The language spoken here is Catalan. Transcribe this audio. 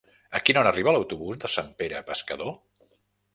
A quina hora arriba l'autobús de Sant Pere Pescador?